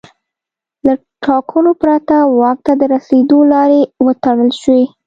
له ټاکنو پرته واک ته د رسېدو لارې وتړل شوې.